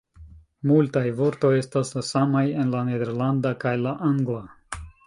Multaj vortoj estas la samaj en la nederlanda kaj la angla.